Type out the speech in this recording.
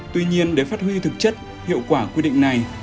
tuy nhiên để phát huy thực chất hiệu quả quy định này